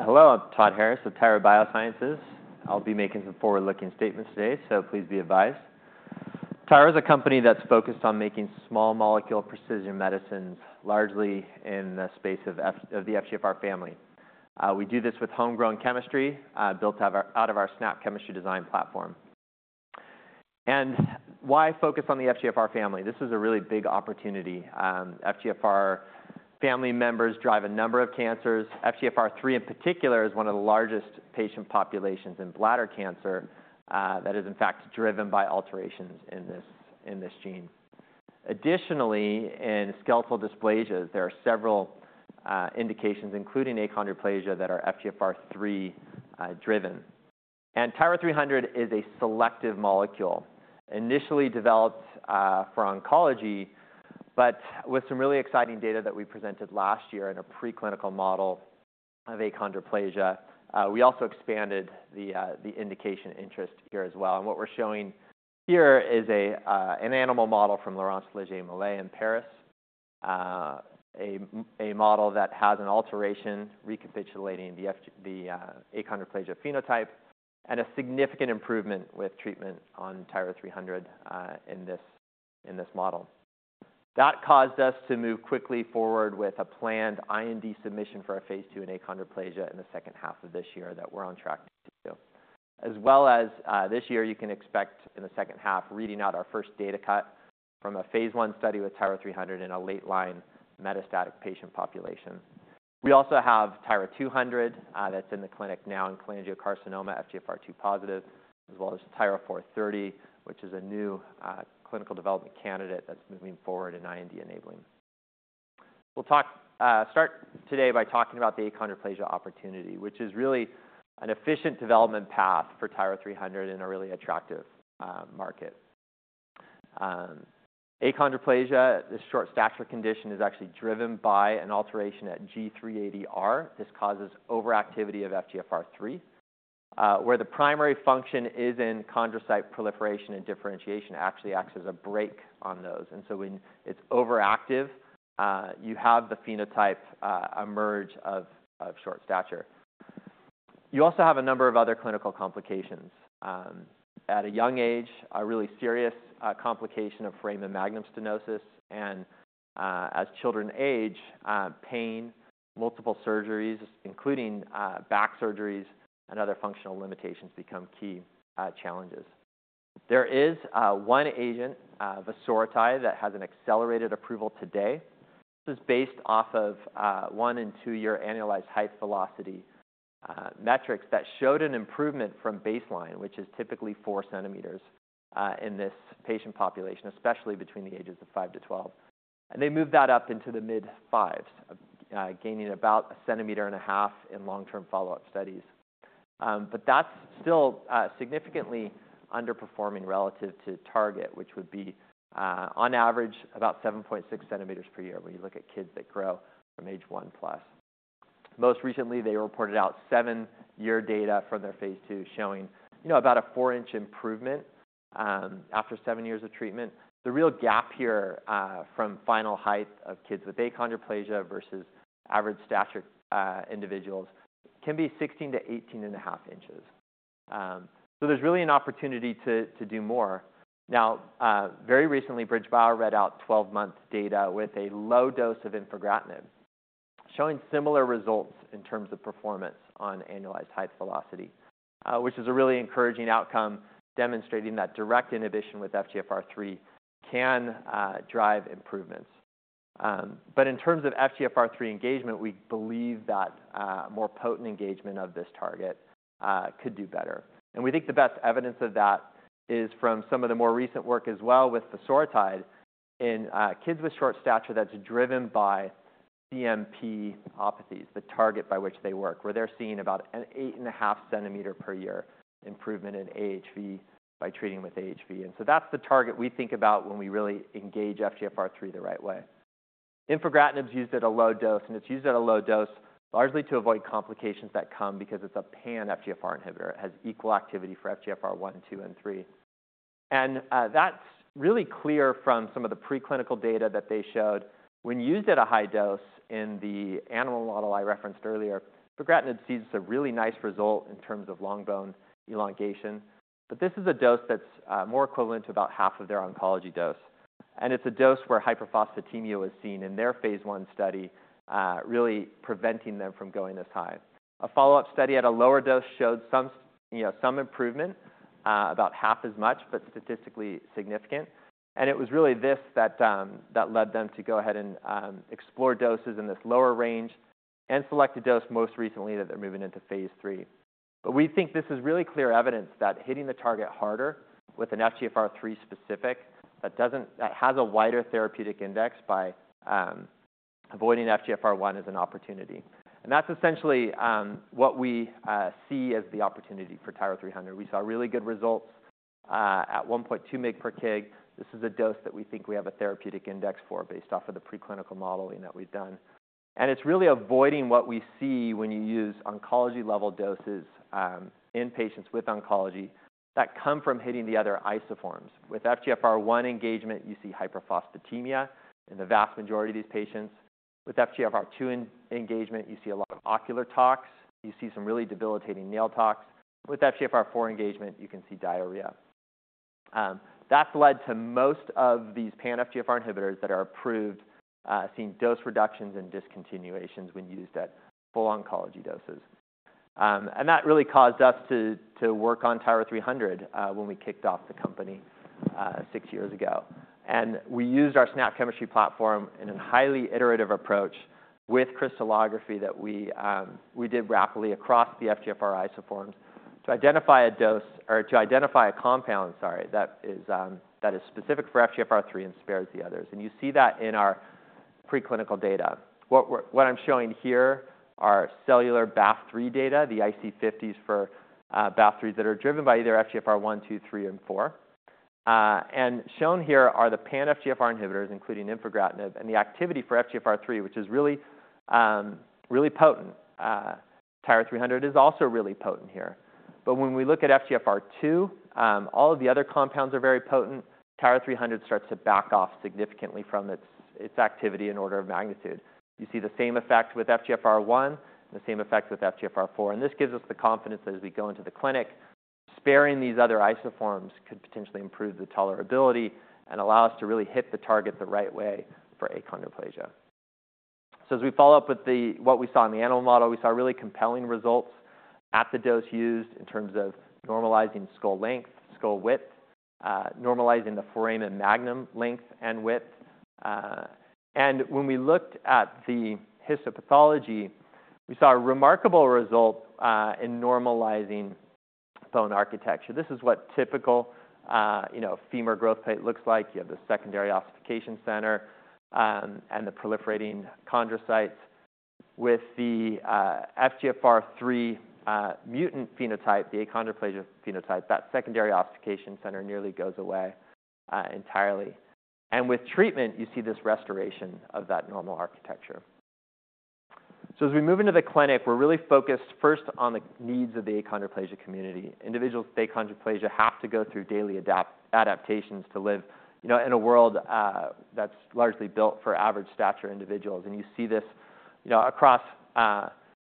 Hello, I'm Todd Harris of Tyra Biosciences. I'll be making some forward-looking statements today, so please be advised. Tyra is a company that's focused on making small molecule precision medicines, largely in the space of FGFR family. We do this with homegrown chemistry, built out of our SNAP chemistry design platform. And why focus on the FGFR family? This is a really big opportunity. FGFR family members drive a number of cancers. FGFR3, in particular, is one of the largest patient populations in bladder cancer that is in fact driven by alterations in this gene. Additionally, in skeletal dysplasias, there are several indications, including achondroplasia, that are FGFR3 driven. TYRA-300 is a selective molecule initially developed for oncology, but with some really exciting data that we presented last year in a preclinical model of achondroplasia. We also expanded the indication interest here as well, and what we're showing here is an animal model from Laurence Legeai-Mallet in Paris. A model that has an alteration recapitulating the achondroplasia phenotype and a significant improvement with treatment on TYRA-300 in this model. That caused us to move quickly forward with a planned IND submission for a phase II in achondroplasia in the second half of this year that we're on track to do. As well as this year, you can expect in the second half, reading out our first data cut from a phase I study with TYRA-300 in a late-line metastatic patient population. We also have TYRA-200, that's in the clinic now in cholangiocarcinoma, FGFR2 positive, as well as TYRA-430, which is a new, clinical development candidate that's moving forward in IND-enabling. We'll start today by talking about the achondroplasia opportunity, which is really an efficient development path for TYRA-300 in a really attractive market. Achondroplasia, this short stature condition, is actually driven by an alteration at G380R. This causes overactivity of FGFR3, where the primary function is in chondrocyte proliferation and differentiation, actually acts as a brake on those. And so when it's overactive, you have the phenotype emerge of short stature. You also have a number of other clinical complications. At a young age, a really serious complication of foramen magnum stenosis, and as children age, pain, multiple surgeries, including back surgeries and other functional limitations, become key challenges. There is one agent, vosoritide, that has an accelerated approval today. This is based off of 1- and 2-year annualized height velocity metrics that showed an improvement from baseline, which is typically 4 centimeters in this patient population, especially between the ages of 5-12. And they moved that up into the mid-fives, gaining about a centimeter and a half in long-term follow-up studies. But that's still significantly underperforming relative to target, which would be, on average, about 7.6 centimeters per year when you look at kids that grow from age 1+. Most recently, they reported out 7-year data from their phase II, showing, you know, about a 4-inch improvement after 7 years of treatment. The real gap here, from final height of kids with achondroplasia versus average stature individuals, can be 16-18.5 inches. So there's really an opportunity to do more. Now, very recently, BridgeBio read out 12-month data with a low dose of infigratinib, showing similar results in terms of performance on annualized height velocity, which is a really encouraging outcome, demonstrating that direct inhibition with FGFR3 can drive improvements. But in terms of FGFR3 engagement, we believe that more potent engagement of this target could do better. We think the best evidence of that is from some of the more recent work as well with vosoritide in kids with short stature that's driven by CNPopathies, the target by which they work, where they're seeing about an 8.5 cm per year improvement in AHV by treating with AHV. So that's the target we think about when we really engage FGFR3 the right way. Infigratinib is used at a low dose, and it's used at a low dose largely to avoid complications that come because it's a pan-FGFR inhibitor. It has equal activity for FGFR1, FGFR2, and FGFR3. And that's really clear from some of the preclinical data that they showed. When used at a high dose in the animal model I referenced earlier, infigratinib sees a really nice result in terms of long bone elongation, but this is a dose that's more equivalent to about half of their oncology dose, and it's a dose where hyperphosphatemia was seen in their phase I study, really preventing them from going this high. A follow-up study at a lower dose showed some, you know, some improvement, about half as much, but statistically significant. And it was really this that that led them to go ahead and explore doses in this lower range and select a dose most recently that they're moving into phase III. But we think this is really clear evidence that hitting the target harder with an FGFR3 specific, that doesn't-- that has a wider therapeutic index by avoiding FGFR1 is an opportunity. That's essentially what we see as the opportunity for TYRA-300. We saw really good results at 1.2 mg per kg. This is a dose that we think we have a therapeutic index for based off of the preclinical modeling that we've done. It's really avoiding what we see when you use oncology-level doses in patients with oncology that come from hitting the other isoforms. With FGFR1 engagement, you see hyperphosphatemia in the vast majority of these patients. With FGFR2 in engagement, you see a lot of ocular tox, you see some really debilitating nail tox. With FGFR4 engagement, you can see diarrhea. That's led to most of these pan-FGFR inhibitors that are approved seeing dose reductions and discontinuations when used at full oncology doses. And that really caused us to work on TYRA-300 when we kicked off the company 6 years ago. And we used our SNAP chemistry platform in a highly iterative approach with crystallography that we did rapidly across the FGFR isoforms to identify a dose, or to identify a compound, sorry, that is specific for FGFR3 and spares the others. And you see that in our preclinical data. What I'm showing here are cellular Ba/F3 data, the IC50s for Ba/F3s that are driven by either FGFR1, FGFR2, FGFR3, and FGFR4. And shown here are the pan FGFR inhibitors, including infigratinib, and the activity for FGFR3, which is really potent. TYRA-300 is also really potent here. But when we look at FGFR2, all of the other compounds are very potent. TYRA-300 starts to back off significantly from its, its activity in order of magnitude. You see the same effect with FGFR1, and the same effect with FGFR4, and this gives us the confidence that as we go into the clinic, sparing these other isoforms could potentially improve the tolerability and allow us to really hit the target the right way for achondroplasia. So as we follow up with what we saw in the animal model, we saw really compelling results at the dose used in terms of normalizing skull length, skull width, normalizing the foramen magnum length and width. And when we looked at the histopathology, we saw a remarkable result in normalizing bone architecture. This is what typical, you know, femur growth plate looks like. You have the secondary ossification center, and the proliferating chondrocytes. With the FGFR3 mutant phenotype, the achondroplasia phenotype, that secondary ossification center nearly goes away entirely. And with treatment, you see this restoration of that normal architecture. So as we move into the clinic, we're really focused first on the needs of the achondroplasia community. Individuals with achondroplasia have to go through daily adaptations to live, you know, in a world that's largely built for average stature individuals. And you see this, you know, across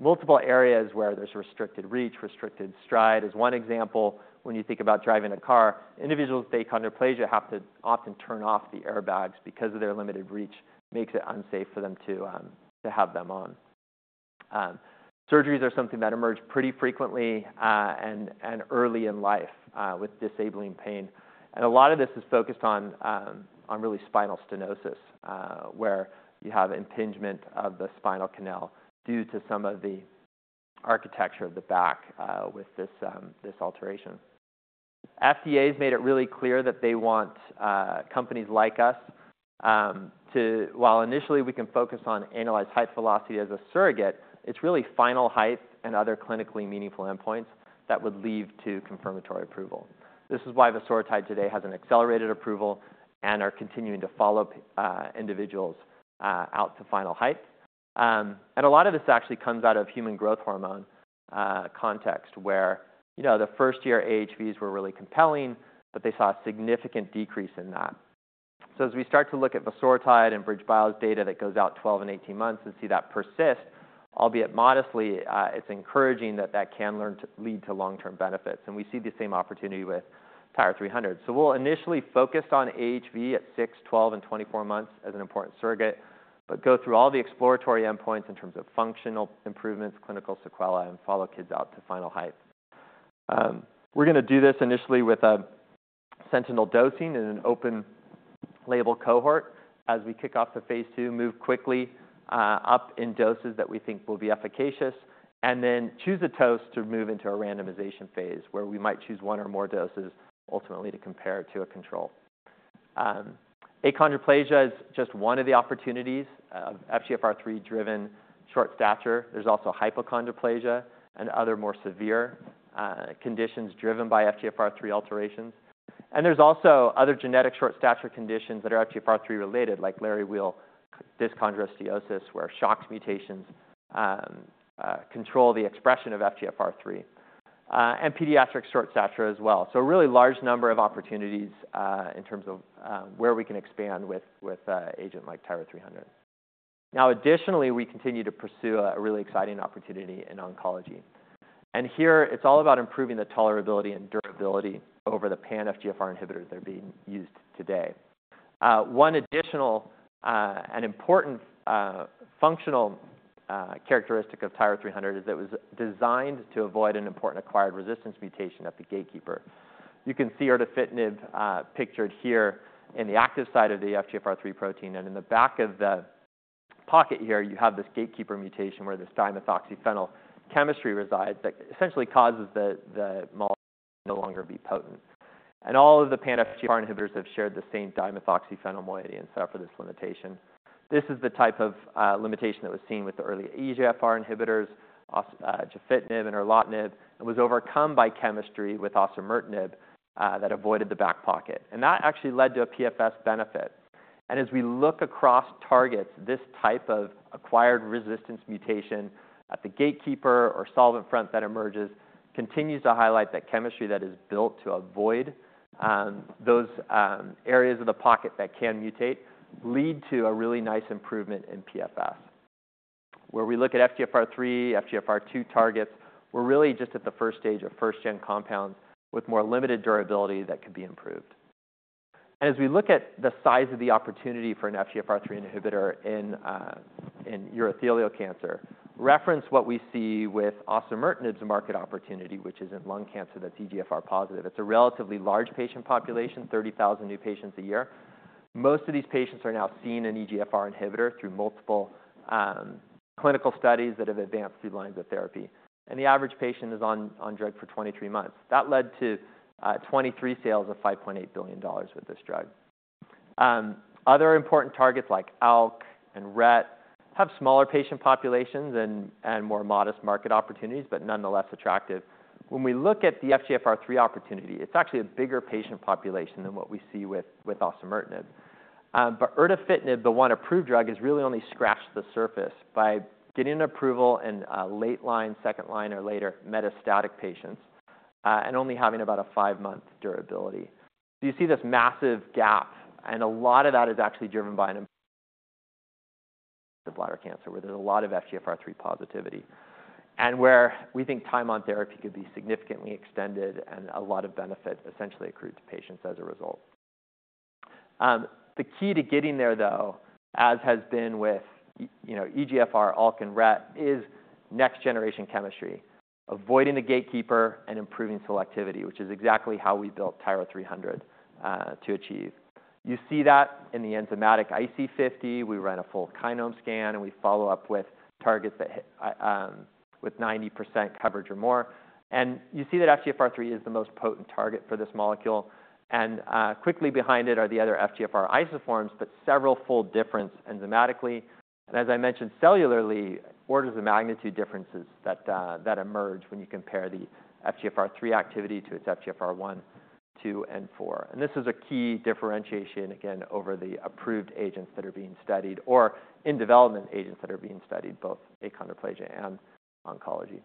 multiple areas where there's restricted reach, restricted stride is one example. When you think about driving a car, individuals with achondroplasia have to often turn off the airbags because of their limited reach, makes it unsafe for them to have them on. Surgeries are something that emerge pretty frequently, and early in life, with disabling pain. And a lot of this is focused on, on really spinal stenosis, where you have impingement of the spinal canal due to some of the architecture of the back, with this, this alteration. FDA has made it really clear that they want, companies like us, to-- while initially we can focus on annualized height velocity as a surrogate, it's really final height and other clinically meaningful endpoints that would lead to confirmatory approval. This is why vosoritide today has an accelerated approval and are continuing to follow up, individuals, out to final height. And a lot of this actually comes out of human growth hormone, context, where, you know, the first-year AHVs were really compelling, but they saw a significant decrease in that. So as we start to look at vosoritide and BridgeBio's data that goes out 12 and 18 months and see that persist, albeit modestly, it's encouraging that that can lead to long-term benefits, and we see the same opportunity with TYRA-300. So we'll initially focus on AHV at 6, 12, and 24 months as an important surrogate, but go through all the exploratory endpoints in terms of functional improvements, clinical sequelae, and follow kids out to final height. We're gonna do this initially with a sentinel dosing in an open label cohort as we kick off the phase II, move quickly up in doses that we think will be efficacious, and then choose a dose to move into a randomization phase, where we might choose one or more doses ultimately to compare to a control. Achondroplasia is just one of the opportunities of FGFR3-driven short stature. There's also hypochondroplasia and other more severe conditions driven by FGFR3 alterations. And there's also other genetic short stature conditions that are FGFR3-related, like Léri-Weill dyschondrosteosis, where SHOX mutations control the expression of FGFR3 and pediatric short stature as well. So a really large number of opportunities in terms of where we can expand with an agent like TYRA-300. Now, additionally, we continue to pursue a really exciting opportunity in oncology, and here it's all about improving the tolerability and durability over the pan FGFR inhibitors that are being used today. One additional and important functional characteristic of TYRA-300 is that it was designed to avoid an important acquired resistance mutation at the gatekeeper. You can see erdafitinib pictured here in the active site of the FGFR3 protein, and in the back of the pocket here, you have this gatekeeper mutation, where this dimethoxyphenyl chemistry resides that essentially causes the molecule no longer be potent. All of the pan-FGFR inhibitors have shared the same dimethoxyphenyl moiety and suffer this limitation. This is the type of limitation that was seen with the early EGFR inhibitors, such as gefitinib and erlotinib, and was overcome by chemistry with osimertinib that avoided the back pocket, and that actually led to a PFS benefit. As we look across targets, this type of acquired resistance mutation at the gatekeeper or solvent front that emerges continues to highlight that chemistry that is built to avoid those areas of the pocket that can mutate, lead to a really nice improvement in PFS. Where we look at FGFR3, FGFR2 targets, we're really just at the first stage of first-gen compounds with more limited durability that could be improved. As we look at the size of the opportunity for an FGFR3 inhibitor in urothelial cancer, reference what we see with osimertinib's market opportunity, which is in lung cancer that's EGFR positive. It's a relatively large patient population, 30,000 new patients a year. Most of these patients are now seeing an EGFR inhibitor through multiple clinical studies that have advanced through lines of therapy, and the average patient is on drug for 23 months. That led to 2023 sales of $5.8 billion with this drug. Other important targets like ALK and RET have smaller patient populations and more modest market opportunities, but nonetheless attractive. When we look at the FGFR3 opportunity, it's actually a bigger patient population than what we see with osimertinib. But erdafitinib, the one approved drug, has really only scratched the surface by getting approval in late line, second line, or later metastatic patients, and only having about a five-month durability. So you see this massive gap, and a lot of that is actually driven by the bladder cancer, where there's a lot of FGFR3 positivity, and where we think time on therapy could be significantly extended and a lot of benefit essentially accrued to patients as a result. The key to getting there, though, as has been with you know, EGFR, ALK, and RET, is next-generation chemistry, avoiding the gatekeeper and improving selectivity, which is exactly how we built TYRA-300 to achieve. You see that in the enzymatic IC50. We ran a full kinome scan, and we follow up with targets that hit with 90% coverage or more. You see that FGFR3 is the most potent target for this molecule, and quickly behind it are the other FGFR isoforms, but several-fold difference enzymatically. As I mentioned, cellularly, orders of magnitude differences that emerge when you compare the FGFR3 activity to its FGFR1, FGFR2, and FGFR4. This is a key differentiation, again, over the approved agents that are being studied or in-development agents that are being studied, both achondroplasia and oncology.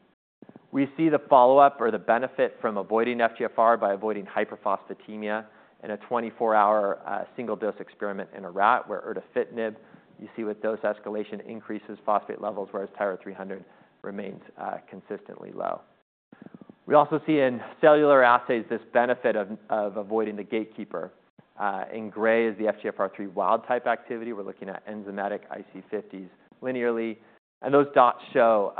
We see the follow-up or the benefit from avoiding FGFR by avoiding hyperphosphatemia in a 24-hour single-dose experiment in a rat, where erdafitinib, you see, with dose escalation, increases phosphate levels, whereas TYRA-300 remains consistently low. We also see in cellular assays this benefit of, of avoiding the gatekeeper. In gray is the FGFR3 wild-type activity. We're looking at enzymatic IC50s linearly, and those dots show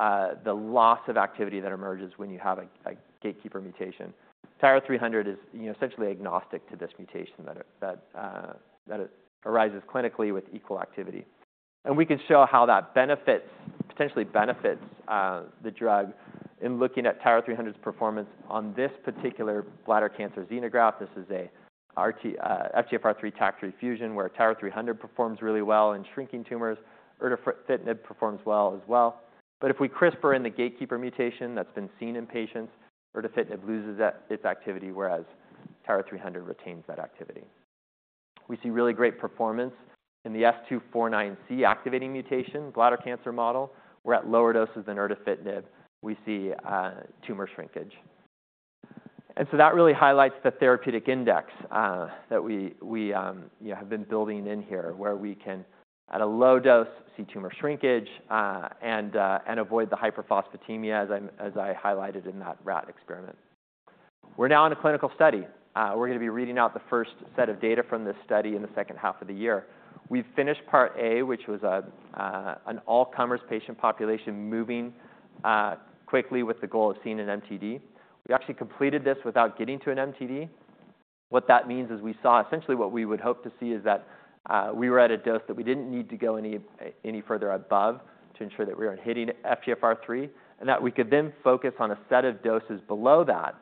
the loss of activity that emerges when you have a gatekeeper mutation. TYRA-300 is, you know, essentially agnostic to this mutation that arises clinically with equal activity. And we can show how that benefits, potentially benefits the drug in looking at TYRA-300's performance on this particular bladder cancer xenograft. This is a RT FGFR3-TACC3 fusion, where TYRA-300 performs really well in shrinking tumors. erdafitinib performs well as well. But if we CRISPR in the gatekeeper mutation that's been seen in patients, erdafitinib loses its activity, whereas TYRA-300 retains that activity. We see really great performance in the S249C activating mutation, bladder cancer model, where at lower doses than erdafitinib, we see tumor shrinkage. And so that really highlights the therapeutic index that we, we, you know, have been building in here, where we can, at a low dose, see tumor shrinkage and avoid the hyperphosphatemia, as I highlighted in that rat experiment. We're now in a clinical study. We're gonna be reading out the first set of data from this study in the second half of the year. We've finished part A, which was an all-comers patient population, moving quickly with the goal of seeing an MTD. We actually completed this without getting to an MTD. What that means is we saw essentially what we would hope to see is that, we were at a dose that we didn't need to go any further above to ensure that we weren't hitting FGFR3, and that we could then focus on a set of doses below that,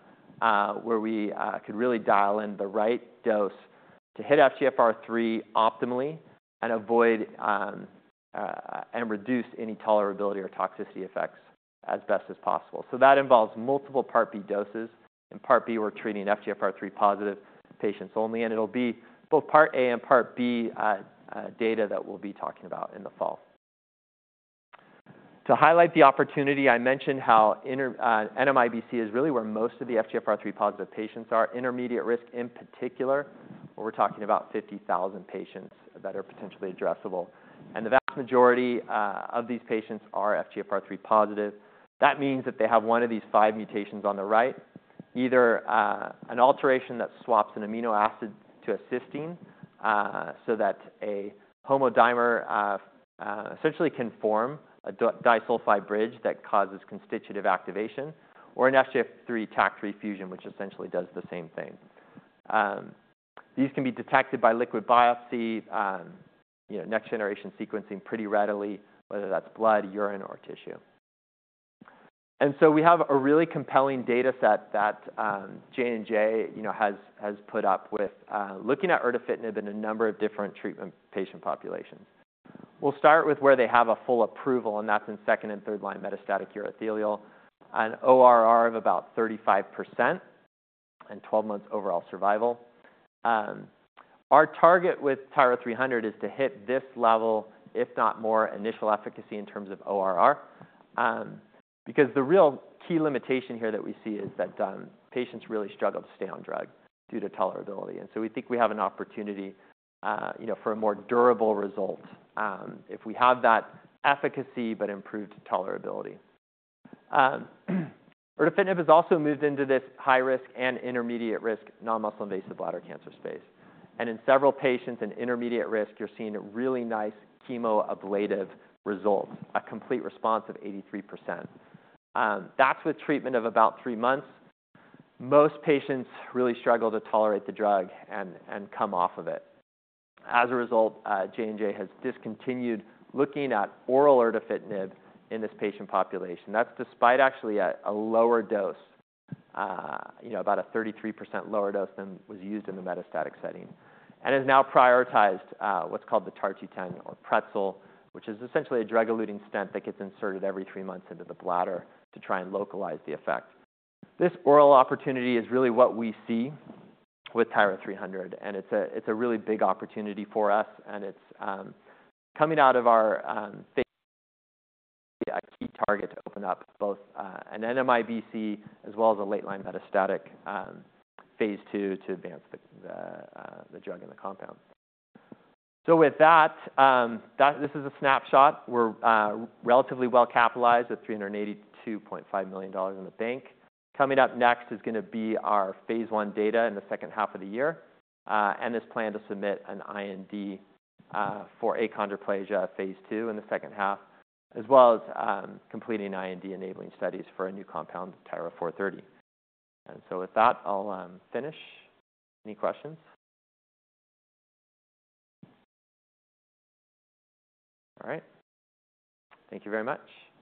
where we could really dial in the right dose to hit FGFR3 optimally and avoid, and reduce any tolerability or toxicity effects as best as possible. So that involves multiple part B doses. In part B, we're treating FGFR3-positive patients only, and it'll be both part A and part B data that we'll be talking about in the fall. To highlight the opportunity, I mentioned how intermediate NMIBC is really where most of the FGFR3-positive patients are, intermediate risk in particular, where we're talking about 50,000 patients that are potentially addressable. And the vast majority of these patients are FGFR3 positive. That means that they have one of these five mutations on the right, either an alteration that swaps an amino acid to a cysteine, so that a homodimer essentially can form a disulfide bridge that causes constitutive activation, or an FGFR3-TACC3 fusion, which essentially does the same thing. These can be detected by liquid biopsy, you know, next-generation sequencing pretty readily, whether that's blood, urine, or tissue. So we have a really compelling data set that, J&J, you know, has, has put up with, looking at erdafitinib in a number of different treatment patient populations. We'll start with where they have a full approval, and that's in second- and third-line metastatic urothelial, an ORR of about 35% and 12 months overall survival. Our target with TYRA-300 is to hit this level, if not more, initial efficacy in terms of ORR. Because the real key limitation here that we see is that, patients really struggle to stay on drug due to tolerability. And so we think we have an opportunity, you know, for a more durable result, if we have that efficacy but improved tolerability. erdafitinib has also moved into this high-risk and intermediate-risk non-muscle invasive bladder cancer space. In several patients in intermediate risk, you're seeing really nice chemoablative results, a complete response of 83%. That's with treatment of about three months. Most patients really struggle to tolerate the drug and come off of it. As a result, J&J has discontinued looking at oral erdafitinib in this patient population. That's despite actually a lower dose, you know, about a 33% lower dose than was used in the metastatic setting, and has now prioritized what's called the TAR-210 or pretzel, which is essentially a drug-eluting stent that gets inserted every three months into the bladder to try and localize the effect. This oral opportunity is really what we see with TYRA-300, and it's a really big opportunity for us, and it's coming out of our phase... A key target to open up both an NMIBC as well as a late-line metastatic phase II to advance the drug and the compound. So with that. This is a snapshot. We're relatively well capitalized with $382.5 million in the bank. Coming up next is gonna be our phase I data in the second half of the year, and this plan to submit an IND for achondroplasia phase II in the second half, as well as completing IND-enabling studies for a new compound, TYRA-430. And so with that, I'll finish. Any questions? All right. Thank you very much.